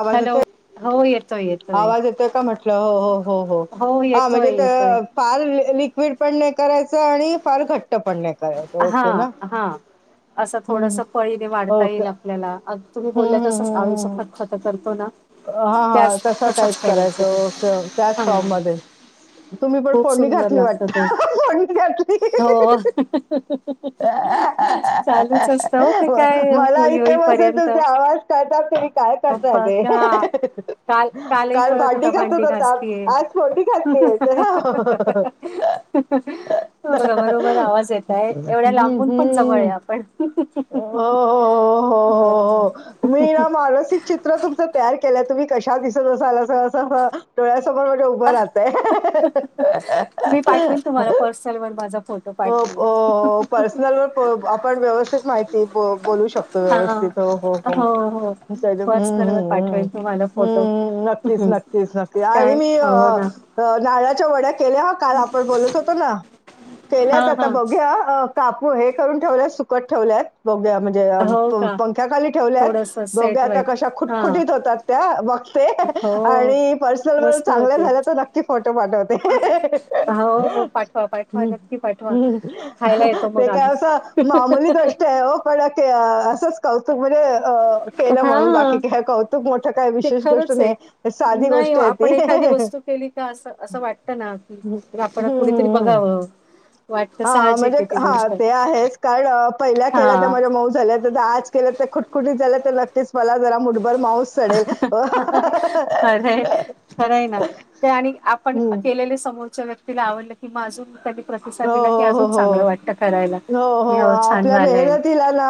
आवाज हॅलो, येतोय हो ये आवाज येतोय का म्हटलं? हो हो हो हो आवाज येतोय अ फार लि लिक्विड पण नाही करायचं. आणि फार घट्ट पण नाही करायच. हां, हा आसं थोडस हम्म पळी नी वाढता ओके येईल हम्म आपल्याला. आत तुम्ही बोलल्या हम्म तसंच हम्म आळूचं हम्म फत फत करतो ना. हा हा, त्याच तसा टाईप तसंच करायचं ते ओके त्याच हा फॉर्म मध्ये. तुम्ही पण खूप फोडणी सुंदर घातली लागतं वाटत, ते फोडणी घातली. हो [inaudible] चालूच असत हो ते काय मला होई इथे होई बसून पर्यंत तुमचे आवाज कळतात तुम्ही काय करताय पप्पा ते त्या. हा, काल कालही काल कळत होता घासत भांडी घासतीय. होतात आज फोडणी घातलीये हो बरोबर आवाज येतय एवढ्या हम्म लांबून पण जवळ आहे हम्म. आपण. हो बरोबर मी या मानसिक चित. त्र तुमच तयार केलंय तुम्ही कशा दिसत असाल असं. डोळ्यासमोर माझ्या उभं राहतय. सलवनबाजा फोन. हो प पर्सनल व आपण व्यवस्थित माहिती बोल बोलू शकतो. हां. व्यवस्थित हो हो हो, त्याच्यात न हं हं पर्सनलवर हं हं पाठवेन तुम्हाला फोटो. हं, नक्कीच हं. नक्की. नक्कीच नक्की काय आणि मी अ हो ना. नाळाच्या वड्या केल्या हा काल आपण बोलत होतो ना. केल्यात हां, आता हां. बघ्या कापू हे करून ठेवल्यात सुकत ठेवल्यात बघ्या म्हणजे. जे आ हो का? पंख्याखाली ठेवल्या थोडंसं बघ सेट व्हाय आता कशा हां. खुटखुीत होतात त्या बाकी. ते हो. आणि पर्सनल व मस्त चांगल्या होते. झाल्या तर नक्की फोटो पाठवते. हो, हो पाठवा, पाठवा हम्म. की पाठवा. खायला येतो ते मग काय आम्ही. असं मामूली कष्ट्या आहे पडक असंच. कौतुक म्हण केलं म्हणून हां. बाकी काय कौतुक मोठं काय ते विशेष गोष्ट खरंच आहे. नाही. साधी नाही गोष्ट व आहे आपण ती एखादी वस्तू केली का अस असं वाटतं ना हम्म की आपण हम्म कुणीतरी हम्म. बघावं. वाटत हां, म्हणजे साहजिक ती हां, गोष्ट. ते आहेच. कारण पहिल्या केल्या त्या हा. माझ्या मऊ झाल्यात. ज केलं तर कुटखुटी झालं तर नक्कीच मला जरा मुठभर माऊस चडेल. खरंय खरंय ना ते आणि आपण हं. केलेले समोरचे व्यक्ती ''--'' तिला आवडलं कि मग अजून. प्रतिसाद हो दिला की हो अजून हो चांगलं वाटतं करायला. हो हो की हो, छान आपल्या झालंय मेहनतीला ना.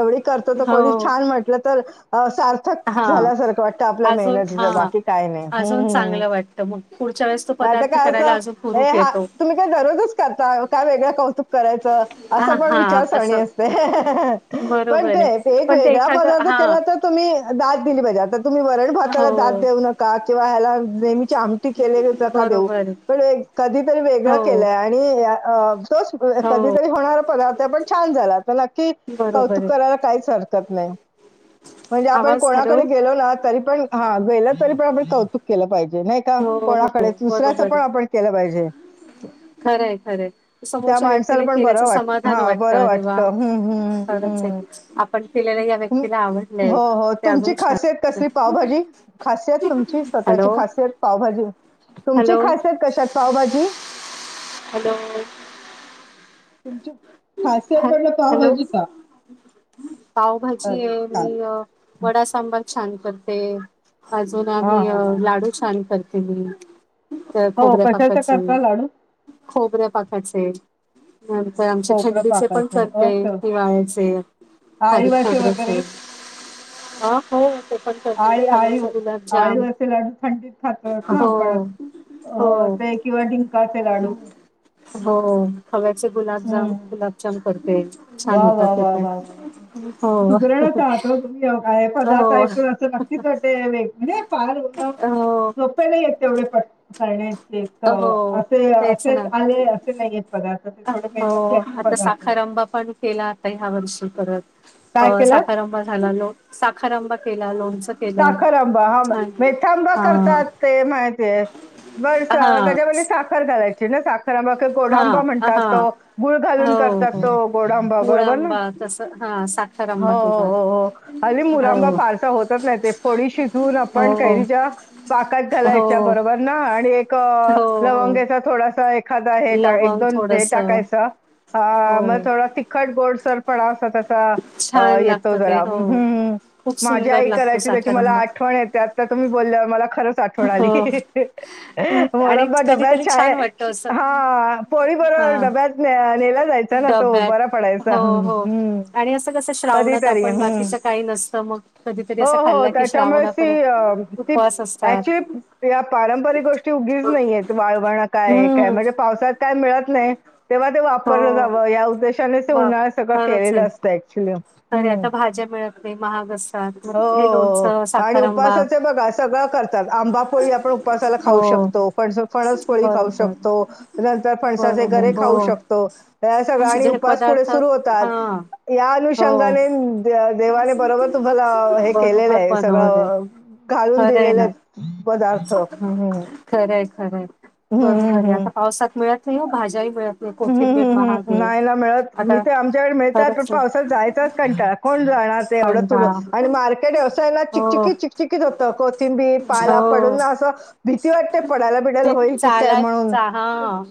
एवढी करतो तर कोणी हो छान म्हटलं तर सारख. साथक हा झाल्यासारखं वाटतं आपल्या अजून मेहनतीच बाकी काय नाही. तर मग पुढच्या वेळेस. तो ता पदार्थ काय करायला असं अजून हुरूप हा येतो. तुम्ही काय दररोजच करता काय वेगळं कौतुक. कराय अस हा पण हा विचारणी असं अस पण बरोबर ते आहे. एक पण ते वेग एखादं पदार्थ हा केला तर. तुम्ही दात दिली पाहिजे आता तुम्ही वरण हो भाताला दात देऊ नका किंवा ह्याला नेहमीचे आमट केले. का देऊ बरोबर आहे. पण कधी तर वेगळं हो केलं. मी अ तोच हो कधीतरी होणार पण पण छान झाला न ''--'' कि बरोबर कौतुक आहे. करायला काहीच हरकत नाही. म्हणजे आपण आवाज हॅलो कोणाकडे गेलो ना तरी पण हा गेलं तरी पण आपण कौतुक केलं पाहिजे नाही. त हो हो कोणाकडे दुसऱ्याच पण आपण केलं पाहिजे. ह [inaudible] खरंय खरंय त्या समोरच्या माणसाला व्यक्तीला पण बरं केल्याचं वाट समाधान हा वाटत बरं अरेव वाटतं हम्म खरच आहे. आपण केलेला. हं हो हो, तुमची खासियत कसली वाटतं. पावभाजी. खासियत तुमची स्वतःची हॅलो खासियत पावभाजी तुमची हॅलो खासियत कशात पावभाजी. हॅलो, तुमची खासियत ह म्हटलं हॅलो पावभाजी का पावभाजी अरे आहे ख''--'' मी अ वडा सांबार छान करते अजून हा आम्ही हा हा लाडू. छान करते मी ते हो खोबऱ्या कशाचं कापायचं. करता लाडू खोबऱ्या पाखाचे, परत खोबरं थंडीचे पण पाकाचं चालतंय ओके हिवाळ्याचे, खारी आळीवाचे वगैरे खोबर्याचे अ हो ते पण करते आळी आळी खव्याचे आळीव गुलाबजाम आळीवाचे लाडू थंडीत खातात ना हो आपण हो ते किंवा डिंकाचे लाडू हो खव्याचे गुलाबजाम, हम्म. गुलाबजाम करते छान वा, होतात वा, ते वा, पण वा, वा. हो सुग्रणच हाय तुम्ही का हो पदार्थ असं नक्कीच वाट ते वेगे फार हो सोपे नाही येत तेवढे पट करणे तर हो असे तेच असेच ना आले, असे नाही आहेत पदार्थ. ते थोडे हो मेहनत घ्यायचे आता, पदार्थ आहेत. साखर अंबा पण केला आता ह्या वर्षी परत, काय केलं साखर आंबा झाला लो साखर आंबा केला. लोणच साखर आंबा, हां मेठंबा हां. करतात ते माहिती बर हां. त्याच्यामध्ये साखर घालायची ना साखर मग तो गोडांबा हां. म्हणतात हां. तो गुळ हो, घालून करतात हो. तो गोडांबा गुळ बरोबर ना. आंबा तसं हां, साखर हो, आंबा हो, केला. हो, हो हली हो. मुरंबा फारसा होता जाते, फोडी शिजऊन हो, आपण हो. कैरीच्या पाकात हो, घालायच्या बरोबर ना आणि एक हो, हो. लवंगेच्या थोडसा एखादा हे काय एक लवंग दोन हे थोडसं. टाकायच आ, हो. थोडा तिक खट, गोडसर पणा असा छान तेचा येतो लागतं ते. जरा, हो. हम्म हम्म, खूप माझ्या सुंदर लागतो त्याची त्याची साखर मला आंबा. आठवण येते आता तुम्ही बोलल्यावर मला खरंच आठवण हो. आली आणि मुरंबा डब्यात कधीतरी छान वाटतं शाळेत असं. हा पोळी बरो हां. डब्यात नेला जायचा ना तो डब्यात बरा पडायचा हम् कस श्रावणात आपण बाकीच काही नसतं मग कधीतरी हो असं हो खाल्ला की त्याच्यामुळे श्रावणापर्यंत ती ती उपवास अची असतात या पारंपरिक गोष्टी उगीच नाहीयेत वाळवण काय हे काय हम्म म्हणजे पावसात काय मिळत नाही तेव्हा ते हो वापरलं जावं या उद्देशाने ते बाप उन्हाळं सगळं खरंच आहे केलेलं असतं ऍक्च्युली खरे ह् आता भाज्या मिळत नाही महाग असतात मग हे हो. हो. लोणचं आणि साखरंबा उपवासाचे बघा सगळं करतात आंबा पोळी आपण उपासाला खाऊ हो शकतो फण फणसपोळी खाऊ बरोबर शकतो नंतर फणसाचे बरोबर गरे खाऊ हो शकतो तर सगळ आणि जे उपास पुढे पदार्थ सुरू होतात हा या हो अनुषंगाने देवाने बरोबर तुम्हाला हे केलेलं बरोबर आहे बनवलंय सगळं घालून खरं आहे दिलेलं ना आहेत पदार्थ खरंय खरंय हम्म, बरोबर हम्म, आहे आता पावसात मिळत नाही भाज्याही मिळत नाही हम् कोथिंबीर हम्म महाग ह् आहे नाही ना मिळत मी आता तर आमच्याकडे मिळतात पण खरंच आहे पावसात जायचंच कंटाळा कोण जाणार? एवढं तु कंटाळा आणि मार्केट व्यवसायला हो चिकचिकत चिकचिकित होतं कोथिंबी पाला पड हो ना अस भीती वाटतेय पडायला बिडायला ते होईल की काय चालाय म्हणून, चा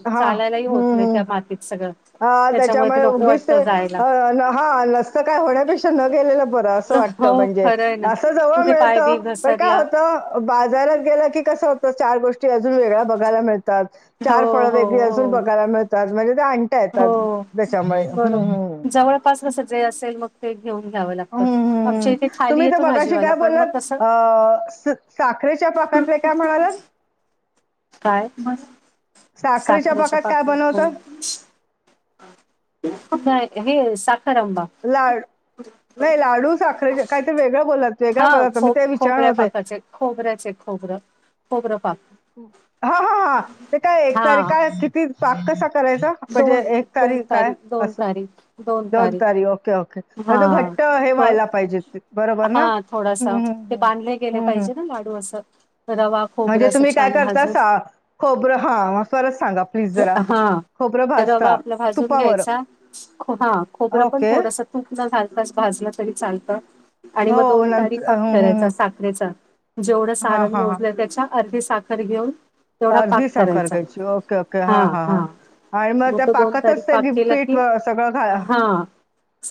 हा चालायलाही होत हम्म, नाही हम्म त्या मातीत सगळं हा ते त्याच्यामुळे नको उगीच ते वाटतं जायला अ न हा नसतं काय होण्यापेक्षा न गेलेलं बरं असं वाटत हो म्हणजे, खरं आहे ना असं जवळ कुठे मिळत पाय बी पण काय घसरला होतं बाजारात गेला की कस होतं चार गोष्टी अजून वेगळ्या बघायला मिळतात, हो चार फळं हो वेगळी हो बघायला मिळतात म्हणजे ते आणत्या येतात त्याच्यामुळे हम्म, हम्म. कपास कस जे असेल मग ते घेऊन घ्यावं लागतं हं. हं, हं, आमच्या हं. इथे खाली तुम्ही तर येतो मगाशी भाजीवाला काय पण मग बोललात कसं अ साखरेच्या पाकातले काय म्हणालात? काय म साखरेच्या पाकात ल. हे साखरअंबा लाड, नही लाडू साखरेचे काहीतरी वेगळां बोलात वेगळां हा पदार्थ, मी खो ते विचारनार खोबऱ्या होते. पाकाचे खोबऱ्याचे खोबरं. खोबरं पाक. हा हा हा, ते काय एकतारी हा काय, किती पाक कसा करायचा? म्हणजे दोन एक दोन तारीख काय? दोन असं तारीख दोन तारीख, ओके-ओके. म हा तो घट्ट हे क व्हायला पाहिजेत, बरोबर हा ना? ह्म हम्म हम्. लाढू अस रवा म्हणजे खोबरं असं तुम्ही काय छान करता भाजून सा, खोबरं हन, परत सांगा. प्लीज जरा हा खोबरं रवा भाजता आपला भाजून तुपावर घ्यायचा, हा खोबरं पण ओके थोडस तूप नं घालता भाजलं तरी चालतं आणि हो मग दोन तारी नंतर पाक हम्म हम्म करायचा. रेचा जेवढं हा सारण हा हा मोजलं, त्याच्या अर्धी साखर घेऊन, तेवढा पाक अर्धी साखर करायचा. घ्यायची ओके ओके हा हा, आणि मग त्या त दोन तारी पाकातच ते पाक गी- केला पीठ की, व- सगळं घा हा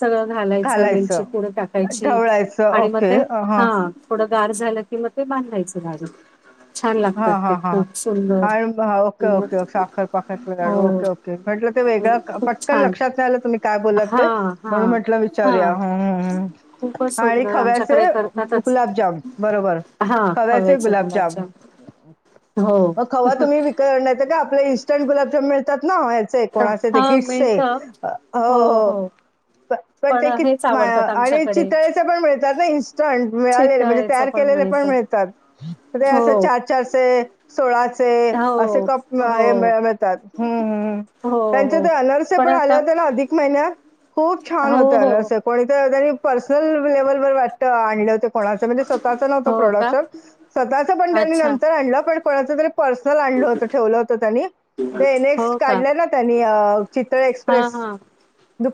सगळं घालायचं, वेलची पुढ टाकायची ढवळायचं आणि मग ओके ते अ, हां थोडं गाार झालं कि, मग ते बांधायचं लाडू. छान लागतात हां ते, हां खूप सुंदर [unintelligible] साखरपकातले लाडू, हो ओके-ओके म्हंटल ते वेगळं खूप पटकन छान लक्षात नाही आलं तुम्ही काय बोलात हा ते. हा म्हणून म्हटलं हा विचारूया ह्म ह्म खूपच आणि सुंदर खव्याचे आमच्याकडे करतातच गुलाबजाम बरोबर. हा खव्याचे गुलाब जाम गुलाबजाम हो म खवा तुम्ही विकत आणायचंका, आपलं इन्स्टंट गुलाब जाम मिळतात ना, बाहेर. चे कोणाचे ते हा गिटसचे? मिळत हो हो-हो. हो प पण ते कि हेच म आवडतात आणि आमच्याकडे चितळेचे पण मिळतात ना? इन्स्टंट मिळालेले, म्हणजे चितळेचं तयार केलेले मिळत पण मिळतात, हो अस चार-चार चे सोळाचे, असे हो कप हे हो म-मिळतात, हम्म हम्मम. हो त्यांचे हो ते अनारसे पण आले आता होते ना अधिक महिन्यात, खूप छान होते हो हो अनारसे. कोणीत त्यांनी पर्सनल लेव्हलवर वाटत आणले होते कोणाचं म्हणजे स्वतःच नवतं हो का प्रोडक्शन, स्वतःच पण त्यानी अच्छा नंतर आणलं पण कोणाच तरी पर्सनल आणलं होतं, ठेवलं होतं त्यांनी. ते नेक्स्ट हो का काढले ना त्यांनी, चितळे हा एक्सप्रेस हा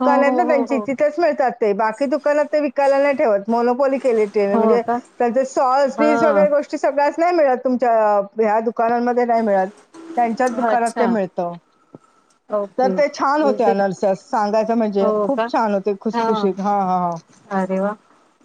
हो आहेत ना हो हो त्यांची, हो तिथेच मिळतात ते, बाकी दुकानात ते विकायला नाही ठेवत, मोनोपली केली. ते हो म्हणजे, का त्यांची सॉस बीस हा वगैरे गोष् टी सगळ्याच नही मिळत, तुमच्या ह्या दुकानामध्ये नाही मिळत. त्यांच्याच दुकानात ते अच्छा मिळत. तर ओके ते छान मी होते ते अनारसे स-सांगायचं म्हणजे, हो का खूप छान होते हा खुसखुशीत, हा हा. अरे वा,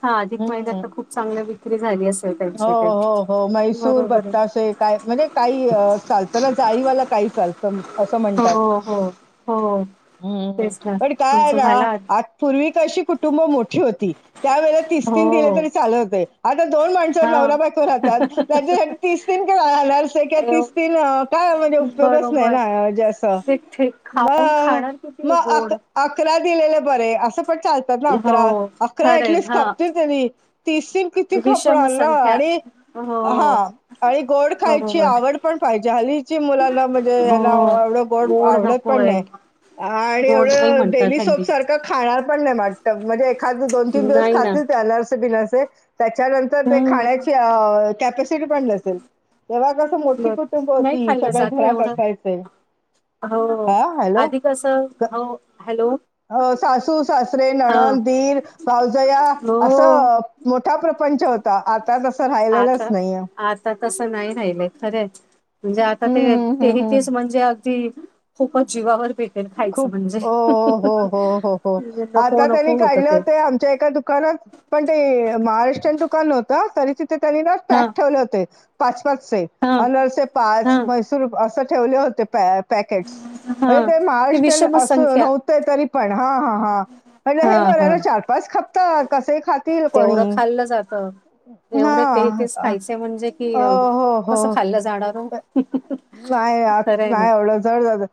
हा अधिक महिन्यात हम्म तर खूप चांगली विक्री झाली अस हो हो हो मैसूर, बत्तासे काय म्हणजे काही अ चालतं ना, जाळीवाल काही चालतं. असं आहे म्हणतात, हो हो हो हम् म तेच ना पण काय ये तुमचं ना, झाला आ पूर्वी कशी कुटुंब मोठी होती, त्यावेळे तीस-तीन दिले हो तरी चालत होते, आता दोन माण हा नवराबायको राहतात. त्याच्यासाठी तिस-तीन [unintelligible] घलस किंवा एव तिस तन काय म्हणजे उपयोगच नाही बरोबर ना, ज असं. ते ठे म खाऊन अ, खाणार किती आहे मग गोड अक-अकरा दिलेलं बरे असं पण चालत. तात ना अकरा, हो अकरा एट खरंय लीस्ट हा खपतील तरी, तीस तिन किती विषम खपणार. नं, संख्या आणि हो हां आणि गोड खायची बरोबर आवड पण पाहिजे, हली ची मुलांना म्हणजे हो ह्यांला एवढं गोड आवडत पण नही. आ आणि गोड नाही एवढं डेली म्हणतात हल्ली सोप सारख खाणार पण नाही. मा त म्हणजे एखाद दोन - तीन दिवस नाही ना खातील ते अनारसे - बिनारसे. त्याच्या नंतर तर ते हम्म खाण्याची, अ कॅपसिटी पण नसेल. तेव्हा कसं, मोठी बर कुटुंब नाही होती. खाल्लं सगळे जातं घरात एवढं असायचे. हो. हा हॅलो आधी कसं, हो. हॅलो हो, सासू - सासरे, हां नणंद, दीर, भावजया. हो असं मोठा प्रपंच होता. आता तसं राहिलेलच नाहीे. तस नाही राहिलं. खरय. म्हणजे आता हम्म ते हम्म हम्म हम्म तेइच म्हणजे ती खूपच जीवावर बेत खूप. हो, हो, हो, हो, हो, हो. नको आता त्यांनी नको होतं काढले ते होते, आमच्या एका दुकानात पण ते महाराष्ट्रन दुकान होतं. तिथे त्यांनी ना, हां पॅक ठेवले होते. पाच- पाचचे. हां अनरसे पाच, हां मैसूर अस ठेवले होते, पॅ पॅकेटस. म्हजे हां ते ती महाराष्ट् विषम संख्या ते तरी पण. ह, ह, ह. मनलं हे हां बरय हां ना. चार- पाच खपतात. कस ही खा तेवढं खाल्लं जातं. एवढे ते हां. तेच अ, खायचे म्हणजे कि, हो, हो, हो. कसं खाल्लं जाणार ओ? नाही आ नाही. एवढं, जड जात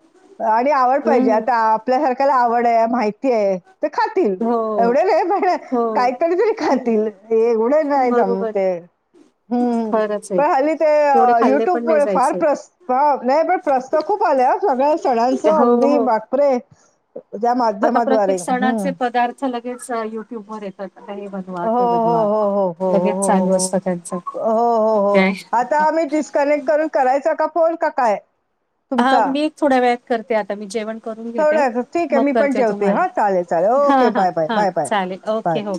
आणि आवड पाहिजे. हम्म आता आपल्यासारख्याला आवडय. माहितीय. ते खातील. हो एवढे नाही प हो काहीतरी, तरी खातील. एवढे नाही जम बरोबर ते. हम्म. खरंच आहे. पण हली ते तेवढे खाल्ले पण नाही युट्यूबमुळे, फार जायचे. प्रस, नाही पण प्रस स्थ खूप आल्या, सगळ्या सणांचं. हो, अगदी, हो. बापरे! ज्या आता प्रत्येक माध्यमाद्वारे. हम्म. सणाचे पदार्थ लगेच युट्युबर येतात. हे बनवा हो ते हो बनवा. हो हो हो लगेच हो हो चालू हो असत त्यांचं. हो हो मग हो. काय आता आम्ही डिस्कनेक्ट करून, करायचा का फोन? का, काय? हा तुमचा? मी एक थोड्या वेळात करते आता मी जेवण करून घेते. [unintelligible] ठीकय. मग मी पण करते जेवते. तुम्हाला. हा, चालेल. चाल ओके. हां, हां, बाय. बाय, हां. बाय, बाय, चालेल. बाय. ओके हो